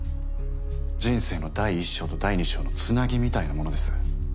人生の第１章と第２章のつなぎみたいなものです。